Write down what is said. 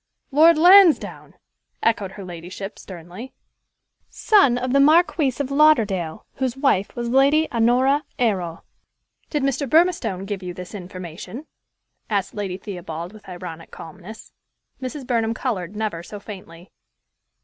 "Lord Lansdowne!" echoed her ladyship, sternly. "Son of the Marquis of Lauderdale, whose wife was Lady Honora Erroll." "Did Mr. Burmistone give you this information?" asked Lady Theobald with ironic calmness. Mrs. Burnham colored never so faintly.